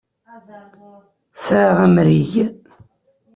Sɛiɣ amrig.